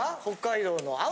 北海道の。